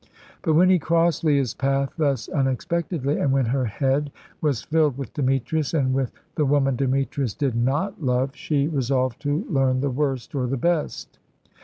But when he crossed Leah's path thus unexpectedly, and when her head was filled with Demetrius and with the woman Demetrius did not love, she resolved to learn the worst or the best.